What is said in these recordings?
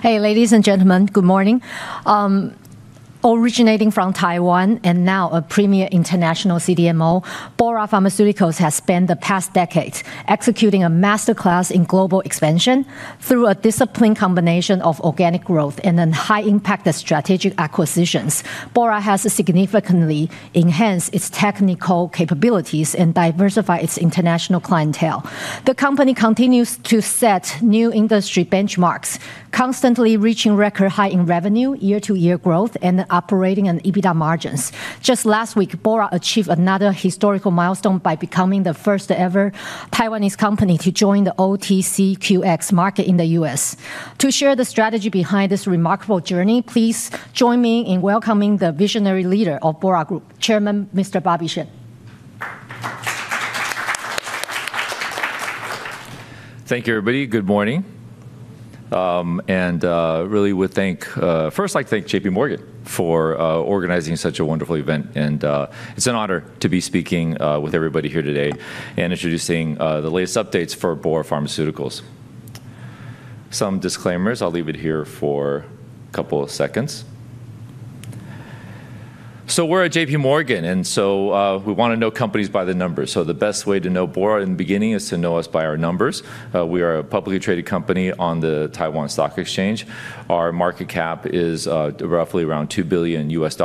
Hey, ladies and gentlemen, good morning. Originating from Taiwan and now a premier international CDMO, Bora Pharmaceuticals has spent the past decade executing a masterclass in global expansion through a disciplined combination of organic growth and then high-impact strategic acquisitions. Bora has significantly enhanced its technical capabilities and diversified its international clientele. The company continues to set new industry benchmarks, constantly reaching record high in revenue, year-to-year growth, and operating on EBITDA margins. Just last week, Bora achieved another historical milestone by becoming the first-ever Taiwanese company to join the OTCQX market in the U.S. To share the strategy behind this remarkable journey, please join me in welcoming the visionary leader of Bora Group, Chairman Mr. Bobby Sheng. @Thank you, everybody. Good morning. And really, first, I'd like to thank JPMorgan for organizing such a wonderful event. And it's an honor to be speaking with everybody here today and introducing the latest updates for Bora Pharmaceuticals. Some disclaimers. I'll leave it here for a couple of seconds. So we're at JPMorgan, and so we want to know companies by the numbers. So the best way to know Bora in the beginning is to know us by our numbers. We are a publicly traded company on the Taiwan Stock Exchange. Our market cap is roughly around $2 billion U.S.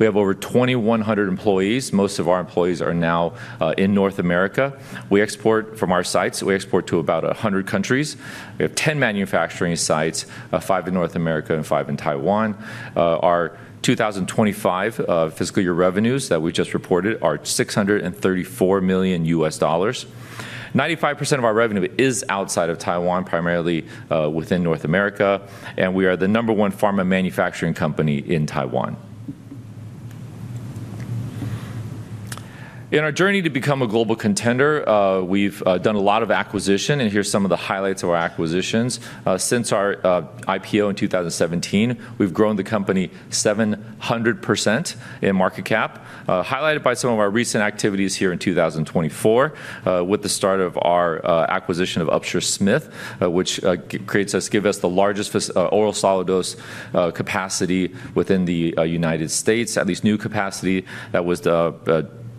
We have over 2,100 employees. Most of our employees are now in North America. We export from our sites. We export to about 100 countries. We have 10 manufacturing sites, five in North America and five in Taiwan. Our 2025 fiscal year revenues that we just reported are $634 million U.S. 95% of our revenue is outside of Taiwan, primarily within North America, and we are the number one pharma manufacturing company in Taiwan. In our journey to become a global contender, we've done a lot of acquisition, and here are some of the highlights of our acquisitions. Since our IPO in 2017, we've grown the company 700% in market cap, highlighted by some of our recent activities here in 2024 with the start of our acquisition of Upstream-Smith, which gives us the largest oral solid dose capacity within the United States, at least new capacity that was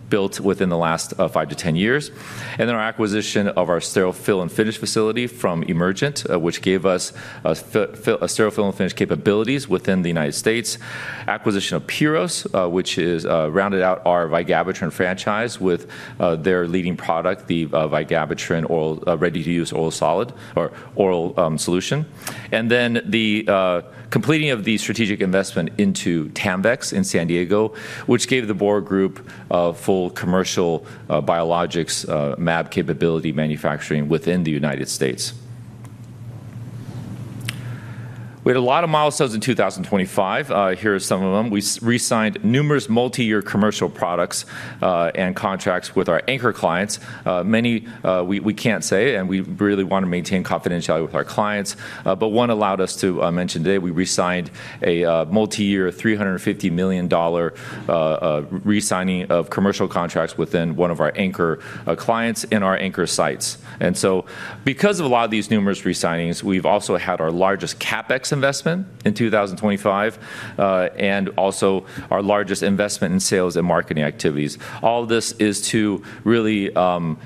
built within the last 5-10 years, and then our acquisition of our sterile fill and finish facility from Emergent, which gave us sterile fill and finish capabilities within the United States. Acquisition of Pyros, which has rounded out our Vigabatrin franchise with their leading product, the Vigabatrin ready-to-use oral solid or oral solution. Then the completion of the strategic investment into Tanvex in San Diego, which gave the Bora Group full commercial biologics MAB capability manufacturing within the United States. We had a lot of milestones in 2025. Here are some of them. We re-signed numerous multi-year commercial products and contracts with our anchor clients. Many we can't say, and we really want to maintain confidentiality with our clients. But one allowed us to mention today, we re-signed a multi-year $350 million re-signing of commercial contracts within one of our anchor clients and our anchor sites. So because of a lot of these numerous re-signings, we've also had our largest CapEx investment in 2025 and also our largest investment in sales and marketing activities. All of this is to really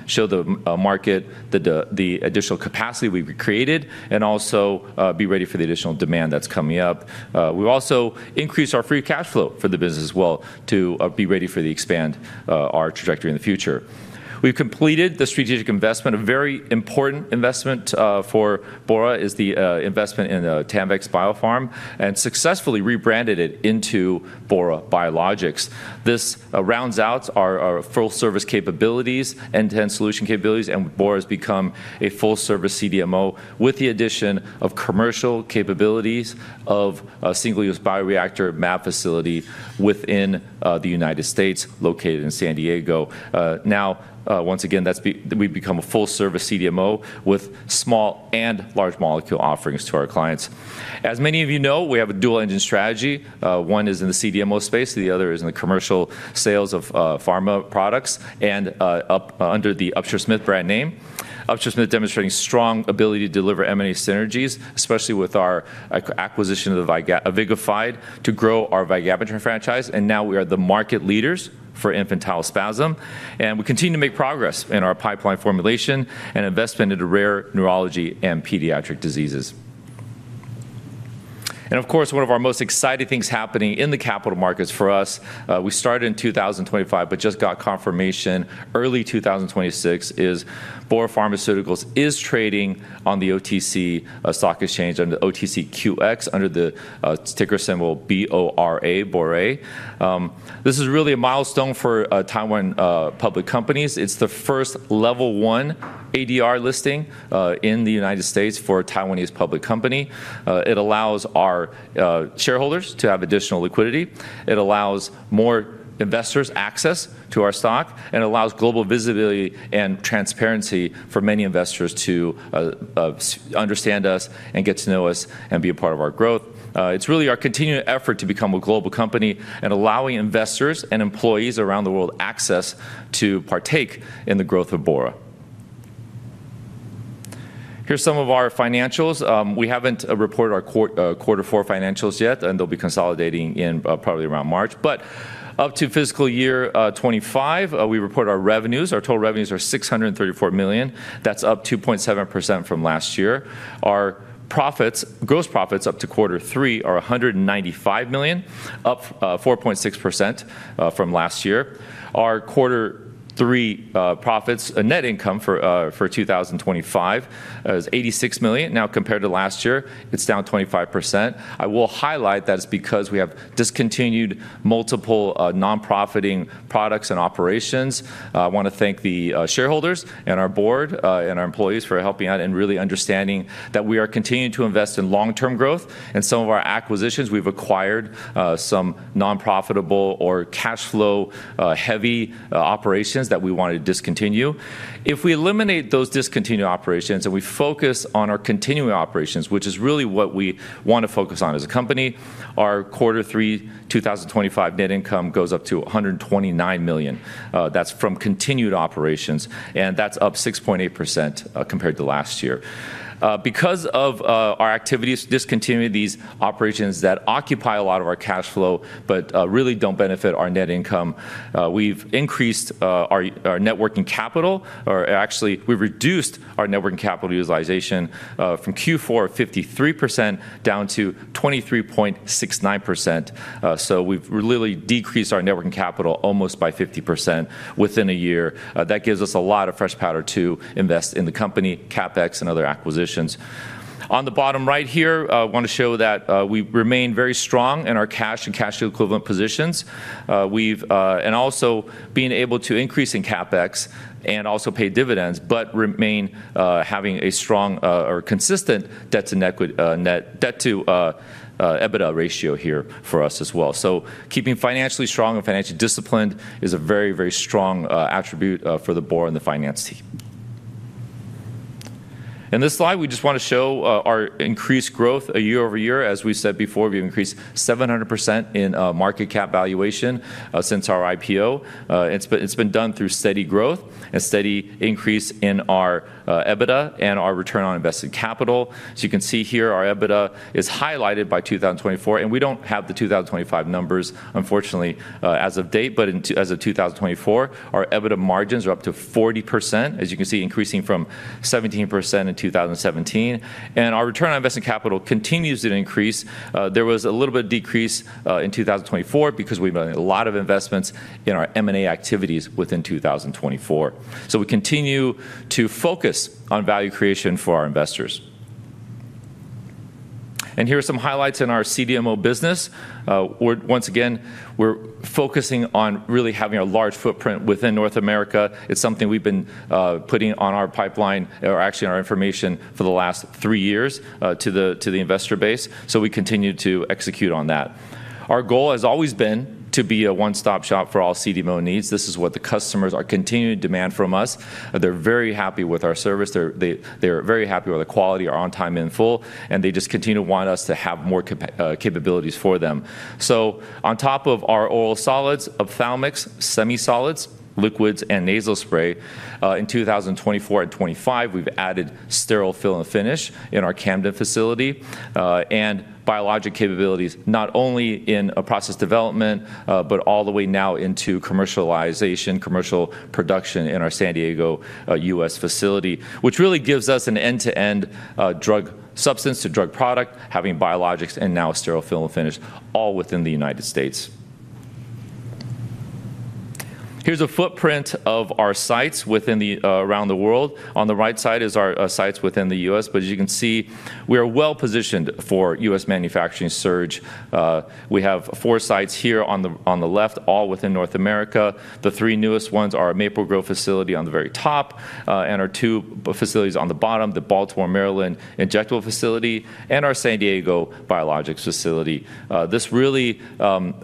show the market the additional capacity we've created and also be ready for the additional demand that's coming up. We also increased our free cash flow for the business as well to be ready for the expand our trajectory in the future. We've completed the strategic investment. A very important investment for Bora is the investment in Tanvex BioPharm and successfully rebranded it into Bora Biologics. This rounds out our full service capabilities and solution capabilities, and Bora has become a full service CDMO with the addition of commercial capabilities of a single-use bioreactor MAB facility within the United States located in San Diego. Now, once again, we've become a full service CDMO with small and large molecule offerings to our clients. As many of you know, we have a dual engine strategy. One is in the CDMO space. The other is in the commercial sales of pharma products and under the Upstream Smith brand name. Upstream Smith demonstrating strong ability to deliver M&A synergies, especially with our acquisition of Vigafyde to grow our Vigabatrin franchise. And now we are the market leaders for infantile spasms. And we continue to make progress in our pipeline formulation and investment into rare neurological and pediatric diseases. And of course, one of our most exciting things happening in the capital markets for us, we started in 2025, but just got confirmation early 2026, is Bora Pharmaceuticals is trading on the OTC stock exchange under OTCQX under the ticker symbol BORA, BORA. This is really a milestone for Taiwan public companies. It's the first level one ADR listing in the United States for a Taiwanese public company. It allows our shareholders to have additional liquidity. It allows more investors access to our stock and allows global visibility and transparency for many investors to understand us and get to know us and be a part of our growth. It's really our continued effort to become a global company and allowing investors and employees around the world access to partake in the growth of Bora. Here's some of our financials. We haven't reported our quarter four financials yet, and they'll be consolidating in probably around March. But up to fiscal year 2025, we report our revenues. Our total revenues are $634 million. That's up 2.7% from last year. Our gross profits up to quarter three are $195 million, up 4.6% from last year. Our quarter three profits, net income for 2025, is $86 million. Now compared to last year, it's down 25%. I will highlight that it's because we have discontinued multiple nonprofiting products and operations. I want to thank the shareholders and our board and our employees for helping out and really understanding that we are continuing to invest in long-term growth, and some of our acquisitions, we've acquired some nonprofitable or cash flow-heavy operations that we wanted to discontinue. If we eliminate those discontinued operations and we focus on our continuing operations, which is really what we want to focus on as a company, our quarter three 2025 net income goes up to $129 million. That's from continued operations, and that's up 6.8% compared to last year. Because of our activities, discontinuing these operations that occupy a lot of our cash flow but really don't benefit our net income, we've increased our net working capital, or actually, we've reduced our net working capital utilization from Q4 of 53% down to 23.69%, so we've really decreased our net working capital almost by 50% within a year. That gives us a lot of dry powder to invest in the company, CapEx, and other acquisitions. On the bottom right here, I want to show that we remain very strong in our cash and cash equivalent positions, and also being able to increase in CapEx and also pay dividends, but remain having a strong or consistent debt-to-EBITDA ratio here for us as well, so keeping financially strong and financially disciplined is a very, very strong attribute for the Bora and the finance team. In this slide, we just want to show our increased growth year over year. As we said before, we've increased 700% in market cap valuation since our IPO. It's been done through steady growth and steady increase in our EBITDA and our return on invested capital. So you can see here our EBITDA is highlighted by 2024, and we don't have the 2025 numbers, unfortunately, as of date, but as of 2024, our EBITDA margins are up to 40%, as you can see, increasing from 17% in 2017. And our return on invested capital continues to increase. There was a little bit of decrease in 2024 because we made a lot of investments in our M&A activities within 2024. So we continue to focus on value creation for our investors. And here are some highlights in our CDMO business. Once again, we're focusing on really having a large footprint within North America. It's something we've been putting on our pipeline, or actually on our information for the last three years to the investor base. So we continue to execute on that. Our goal has always been to be a one-stop shop for all CDMO needs. This is what the customers are continuing to demand from us. They're very happy with our service. They're very happy with the quality, our on-time info, and they just continue to want us to have more capabilities for them. So on top of our oral solids, ophthalmics, semi-solids, liquids, and nasal spray, in 2024 and 2025, we've added sterile fill and finish in our Camden facility and biologic capabilities, not only in process development, but all the way now into commercialization, commercial production in our San Diego U.S. facility, which really gives us an end-to-end drug substance to drug product, having biologics and now sterile fill and finish, all within the United States. Here's a footprint of our sites around the world. On the right side is our sites within the U.S. But as you can see, we are well positioned for U.S. manufacturing surge. We have four sites here on the left, all within North America. The three newest ones are our Maple Grove facility on the very top and our two facilities on the bottom, the Baltimore, Maryland injectable facility, and our San Diego biologics facility. This really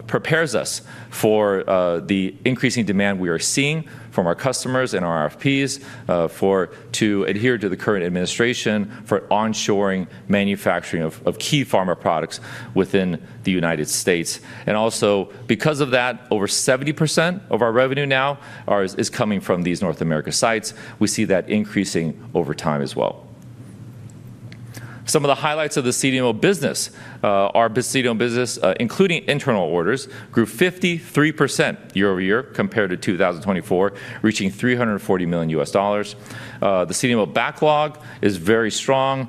prepares us for the increasing demand we are seeing from our customers and our RFPs to adhere to the current administration for onshoring manufacturing of key pharma products within the United States, and also because of that, over 70% of our revenue now is coming from these North America sites. We see that increasing over time as well. Some of the highlights of the CDMO business, our CDMO business, including internal orders, grew 53% year over year compared to 2024, reaching $340 million U.S. The CDMO backlog is very strong.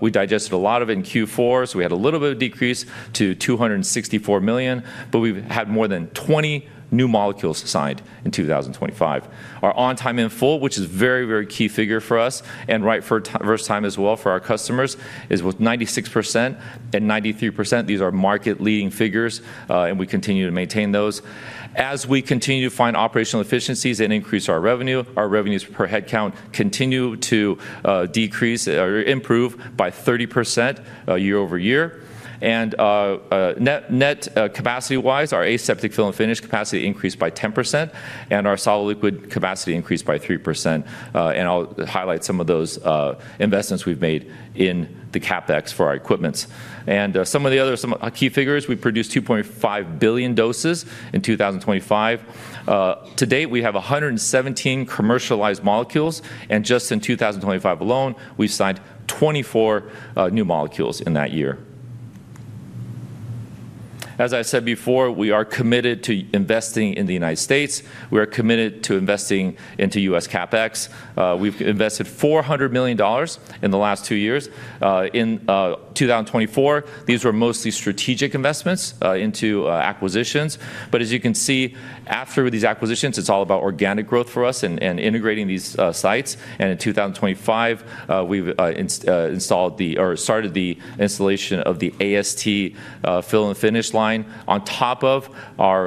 We digested a lot of it in Q4, so we had a little bit of decrease to $264 million, but we've had more than 20 new molecules signed in 2025. Our on-time info, which is a very, very key figure for us and right first time as well for our customers, is with 96% and 93%. These are market-leading figures, and we continue to maintain those. As we continue to find operational efficiencies and increase our revenue, our revenues per head count continue to decrease or improve by 30% year over year, and net capacity-wise, our aseptic fill and finish capacity increased by 10%, and our solid liquid capacity increased by 3%, and I'll highlight some of those investments we've made in the CapEx for our equipments. And some of the other key figures, we produced 2.5 billion doses in 2025. To date, we have 117 commercialized molecules, and just in 2025 alone, we've signed 24 new molecules in that year. As I said before, we are committed to investing in the United States. We are committed to investing into U.S. CapEx. We've invested $400 million in the last two years. In 2024, these were mostly strategic investments into acquisitions. But as you can see, after these acquisitions, it's all about organic growth for us and integrating these sites, and in 2025, we've installed or started the installation of the AST fill and finish line on top of our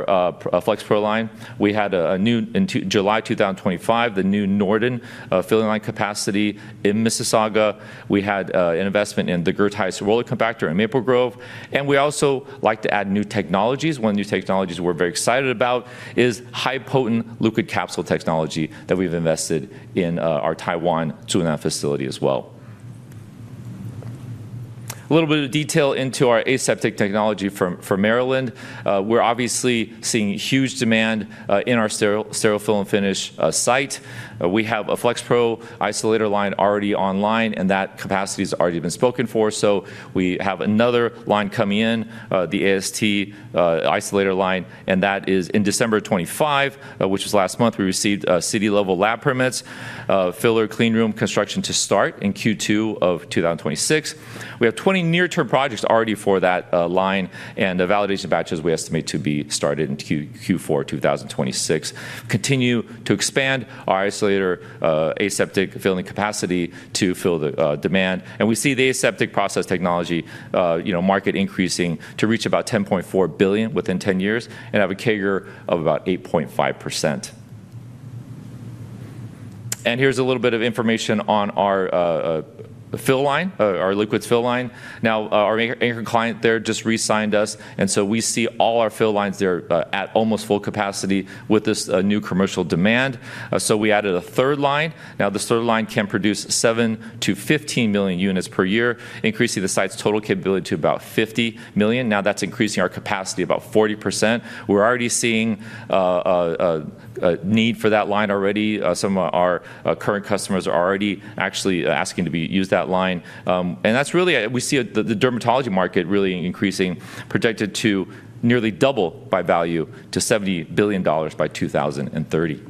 FlexPro line. We had a new, in July 2025, the new Norden filling line capacity in Mississauga. We had an investment in the Gerteis roller compactor in Maple Grove, and we also like to add new technologies. One of the new technologies we're very excited about is high-potent liquid capsule technology that we've invested in our Taiwan Zhunan facility as well. A little bit of detail into our aseptic technology for Maryland. We're obviously seeing huge demand in our sterile fill and finish site. We have a FlexPro isolator line already online, and that capacity has already been spoken for. So we have another line coming in, the AST isolator line, and that is in December 2025, which was last month. We received city-level lab permits, filler cleanroom construction to start in Q2 of 2026. We have 20 near-term projects already for that line, and the validation batches we estimate to be started in Q4 2026. Continue to expand our isolator aseptic filling capacity to fill the demand. We see the aseptic process technology market increasing to reach about $10.4 billion within 10 years and have a CAGR of about 8.5%. Here's a little bit of information on our fill line, our liquids fill line. Our anchor client there just re-signed us, and so we see all our fill lines there at almost full capacity with this new commercial demand. We added a third line. This third line can produce 7-15 million units per year, increasing the site's total capability to about 50 million. That's increasing our capacity about 40%. We're already seeing a need for that line already. Some of our current customers are already actually asking to use that line. That's really we see the dermatology market really increasing, projected to nearly double by value to $70 billion by 2030.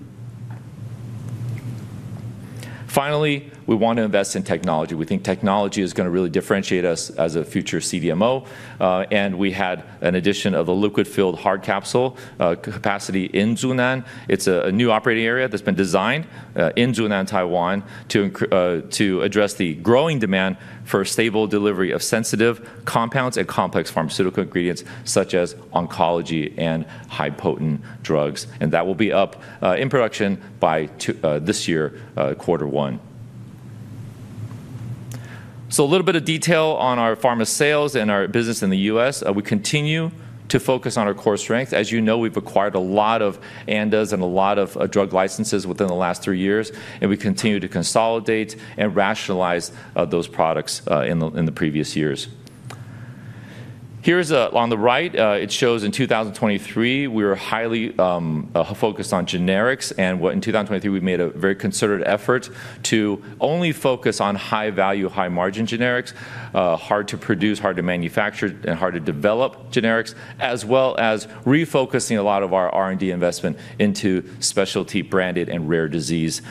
Finally, we want to invest in technology. We think technology is going to really differentiate us as a future CDMO, and we had an addition of the liquid-filled hard capsule capacity in Tsunan. It's a new operating area that's been designed in Tsunan, Taiwan, to address the growing demand for stable delivery of sensitive compounds and complex pharmaceutical ingredients such as Oncology and high-potent drugs, and that will be up in production by this year, quarter one, so a little bit of detail on our pharma sales and our business in the U.S. We continue to focus on our core strengths. As you know, we've acquired a lot of ANDAs and a lot of drug licenses within the last three years, and we continue to consolidate and rationalize those products in the previous years. Here's on the right, it shows in 2023, we were highly focused on generics. In 2023, we made a very concerted effort to only focus on high-value, high-margin generics, hard to produce, hard to manufacture, and hard to develop generics, as well as refocusing a lot of our R&D investment into specialty branded and rare disease.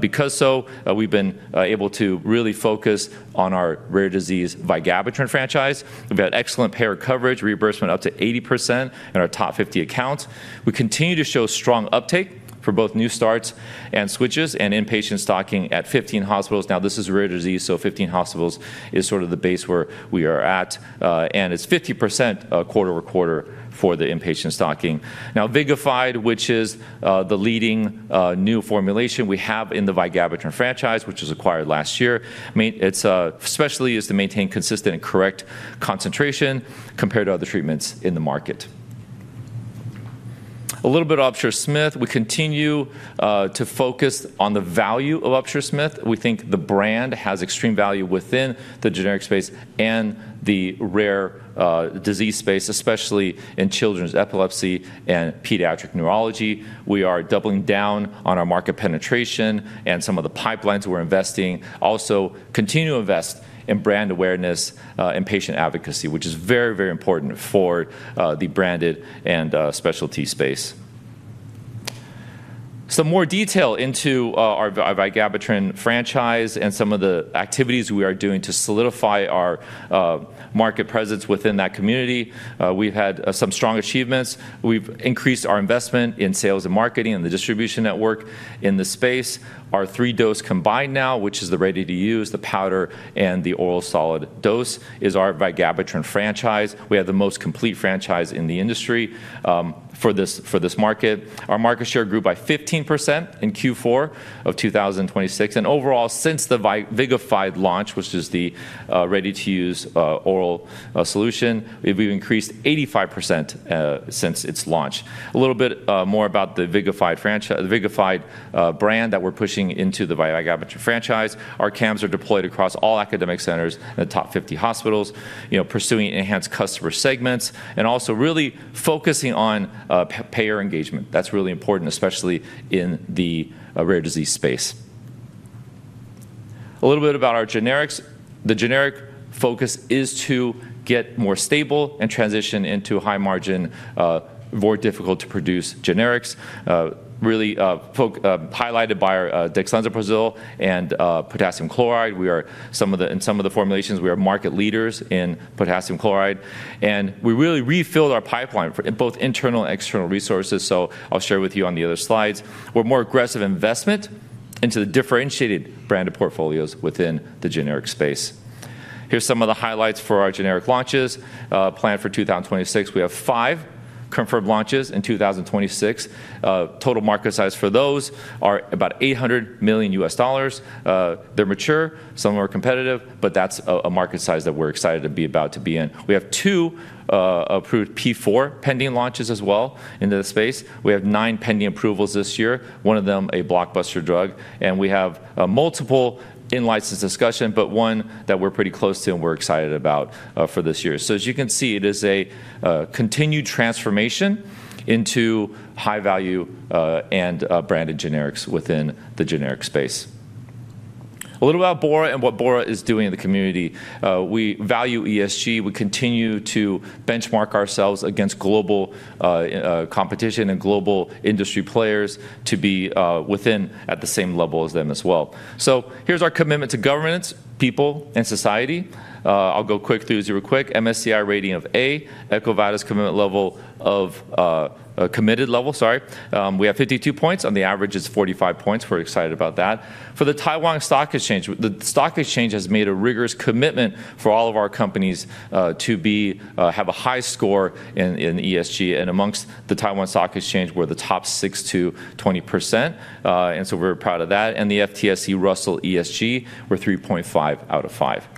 Because so, we've been able to really focus on our rare disease Vigabatrin franchise. We've had excellent payer coverage, reimbursement up to 80% in our top 50 accounts. We continue to show strong uptake for both new starts and switches and inpatient stocking at 15 hospitals. Now, this is rare disease, so 15 hospitals is sort of the base where we are at, and it's 50% quarter-over-quarter for the inpatient stocking. Now, Vigafyde, which is the leading new formulation we have in the Vigabatrin franchise, which was acquired last year, it's especially used to maintain consistent and correct concentration compared to other treatments in the market. A little bit of Upsher-Smith. We continue to focus on the value of Upsher-Smith. We think the brand has extreme value within the generic space and the rare disease space, especially in children's epilepsy and pediatric neurology. We are doubling down on our market penetration and some of the pipelines we're investing. Also continue to invest in brand awareness and patient advocacy, which is very, very important for the branded and specialty space. Some more detail into our Vigabatrin franchise and some of the activities we are doing to solidify our market presence within that community. We've had some strong achievements. We've increased our investment in sales and marketing and the distribution network in the space. Our three-dose combined now, which is the ready-to-use, the powder, and the oral solid dose, is our Vigabatrin franchise. We have the most complete franchise in the industry for this market. Our market share grew by 15% in Q4 of 2026. Overall, since the Vigafyde launch, which is the ready-to-use oral solution, we've increased 85% since its launch. A little bit more about the Vigafyde brand that we're pushing into the Vigabatrin franchise. Our CAMs are deployed across all academic centers and the top 50 hospitals, pursuing enhanced customer segments and also really focusing on payer engagement. That's really important, especially in the rare disease space. A little bit about our generics. The generic focus is to get more stable and transition into high-margin, more difficult-to-produce generics. Really highlighted by our Dexlansoprazole and potassium chloride. We are, in some of the formulations, we are market leaders in potassium chloride. We really refilled our pipeline for both internal and external resources. I'll share with you on the other slides. We're more aggressive investment into the differentiated branded portfolios within the generic space. Here's some of the highlights for our generic launches planned for 2026. We have five confirmed launches in 2026. Total market size for those are about $800 million U.S. They're mature. Some are competitive, but that's a market size that we're excited to be in. We have two approved P4 pending launches as well in the space. We have nine pending approvals this year, one of them a blockbuster drug. And we have multiple in-license discussion, but one that we're pretty close to and we're excited about for this year. So as you can see, it is a continued transformation into high-value and branded generics within the generic space. A little about Bora and what Bora is doing in the community. We value ESG. We continue to benchmark ourselves against global competition and global industry players to be within at the same level as them as well. So here's our commitment to governments, people, and society. I'll go quick through these real quick. MSCI rating of A, EcoVadis's commitment level of committed level, sorry. We have 52 points. On the average, it's 45 points. We're excited about that. For the Taiwan Stock Exchange, the Stock Exchange has made a rigorous commitment for all of our companies to have a high score in ESG. Among the Taiwan Stock Exchange, we're the top 6-20%. We're proud of that. The FTSE Russell ESG, we're 3.5 out of 5.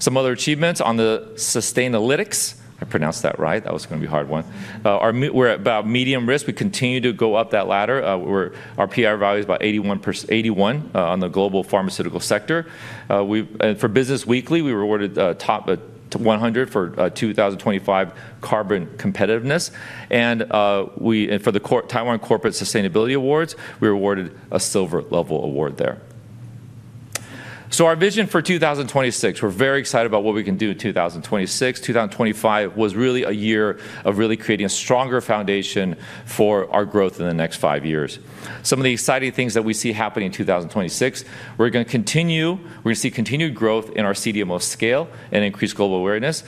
Some other achievements on Sustainalytics. I pronounced that right. That was going to be a hard one. We're about medium risk. We continue to go up that ladder. Our PR value is about 81 on the global pharmaceutical sector. For Business Weekly, we were awarded top 100 for 2025 carbon competitiveness. For the Taiwan Corporate Sustainability Awards, we were awarded a silver level award there. Our vision for 2026, we're very excited about what we can do in 2026. 2025 was really a year of really creating a stronger foundation for our growth in the next five years. Some of the exciting things that we see happening in 2026, we're going to continue. We're going to see continued growth in our CDMO scale and increased global awareness.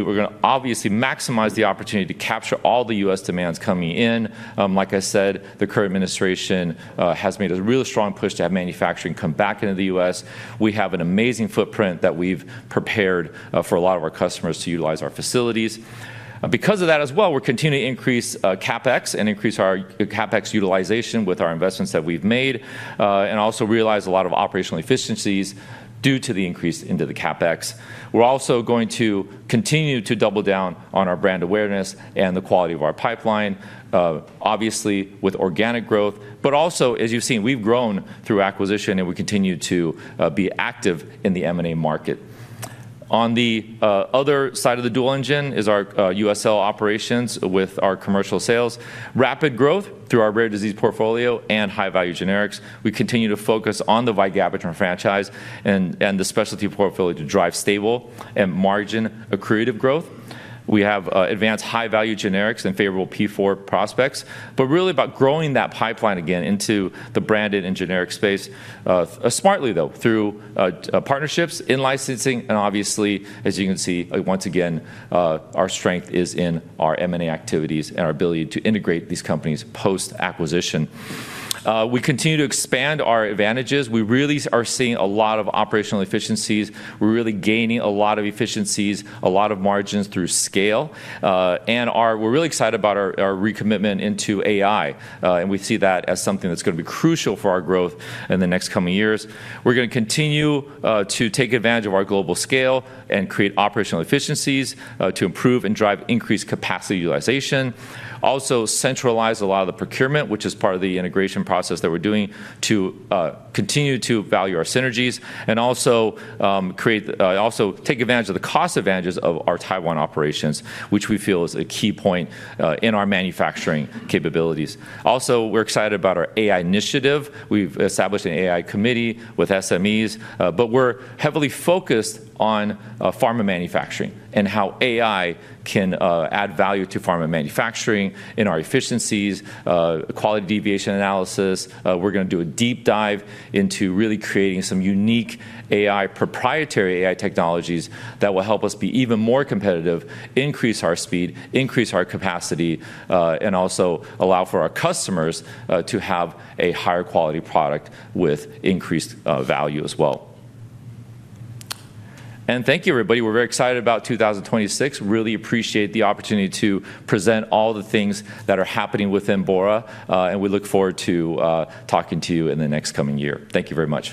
We're going to obviously maximize the opportunity to capture all the U.S. demands coming in. Like I said, the current administration has made a real strong push to have manufacturing come back into the U.S. We have an amazing footprint that we've prepared for a lot of our customers to utilize our facilities. Because of that as well, we're continuing to increase CapEx and increase our CapEx utilization with our investments that we've made and also realize a lot of operational efficiencies due to the increase into the CapEx. We're also going to continue to double down on our brand awareness and the quality of our pipeline, obviously with organic growth, but also, as you've seen, we've grown through acquisition and we continue to be active in the M&A market. On the other side of the dual engine is our USL operations with our commercial sales. Rapid growth through our rare disease portfolio and high-value generics. We continue to focus on the Vigabatrin franchise and the specialty portfolio to drive stable and margin accretive growth. We have advanced high-value generics and favorable P4 prospects, but really about growing that pipeline again into the branded and generic space smartly, though, through partnerships, in-licensing, and obviously, as you can see, once again, our strength is in our M&A activities and our ability to integrate these companies post-acquisition. We continue to expand our advantages. We really are seeing a lot of operational efficiencies. We're really gaining a lot of efficiencies, a lot of margins through scale, and we're really excited about our recommitment into AI. And we see that as something that's going to be crucial for our growth in the next coming years. We're going to continue to take advantage of our global scale and create operational efficiencies to improve and drive increased capacity utilization. Also centralize a lot of the procurement, which is part of the integration process that we're doing to continue to value our synergies and also take advantage of the cost advantages of our Taiwan operations, which we feel is a key point in our manufacturing capabilities. Also, we're excited about our AI initiative. We've established an AI committee with SMEs, but we're heavily focused on pharma manufacturing and how AI can add value to pharma manufacturing in our efficiencies, quality deviation analysis. We're going to do a deep dive into really creating some unique AI proprietary AI technologies that will help us be even more competitive, increase our speed, increase our capacity, and also allow for our customers to have a higher quality product with increased value as well, and thank you, everybody. We're very excited about 2026. Really appreciate the opportunity to present all the things that are happening within Bora, and we look forward to talking to you in the next coming year. Thank you very much.